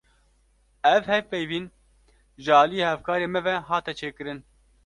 Ev hevpeyvîn, ji aliyê hevkarê me ve hate çêkirin